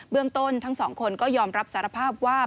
เรื่องต้นทั้งสองคนก็ยอมรับสารภาพว่า